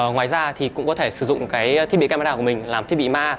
ngoài ra thì cũng có thể sử dụng cái thiết bị camera của mình làm thiết bị ma